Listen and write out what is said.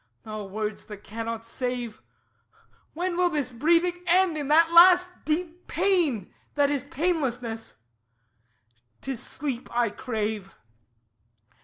O words that cannot save! When will this breathing end in that last deep Pain that is painlessness? 'Tis sleep I crave.